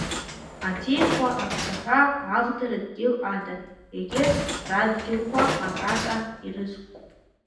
Аӡиқәа аԥшаҳәа аӷдара дгьыл ада, егьырҭ радгьылқәа акака ирызкәп.